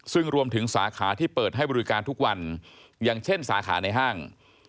ซึ่งรวมถึงสาขาที่เปิดให้บริการทุกวันอย่างเช่นสาขาในห้าง